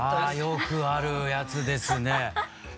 よくあるやつですねそれは。